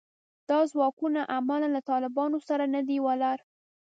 دا ځواکونه عملاً له طالبانو سره نه دي ولاړ